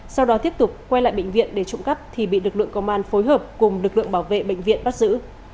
sau đó tiếp tục quay lại bệnh viện để trộm cắp thì bị lực lượng công an phối hợp cùng lực lượng bảo vệ bệnh viện bắt giữ